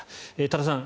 多田さん